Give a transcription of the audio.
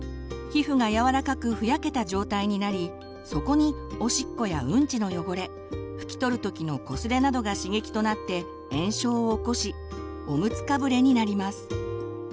皮膚が柔らかくふやけた状態になりそこにおしっこやうんちの汚れ拭き取るときのこすれなどが刺激となって炎症を起こし「おむつかぶれ」になります。